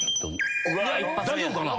大丈夫かな？